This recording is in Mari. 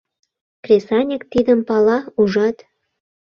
Кресаньык тидым пала, ужат?